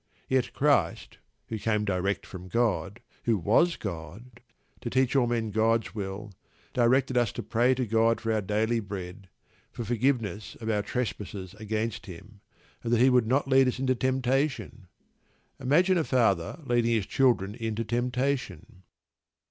Yet Christ, who came direct from God who was God to teach all men God's will, directed us to pray to God for our daily bread, for forgiveness of our trespasses against Him, and that He would not lead us into temptation! Imagine a father leading his children into temptation!